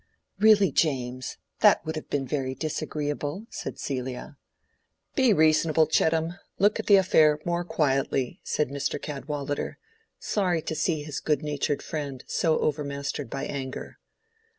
"Really, James, that would have been very disagreeable," said Celia. "Be reasonable, Chettam. Look at the affair more quietly," said Mr. Cadwallader, sorry to see his good natured friend so overmastered by anger.